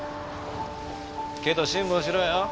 けど辛抱しろよ。